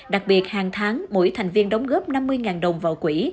đặc biệt hàng tháng mỗi thành viên đóng góp năm mươi đồng vào quỹ